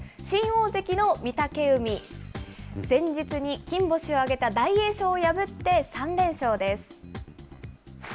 新大関の御嶽海、前日に金星を挙げた大栄翔を破って３連勝です。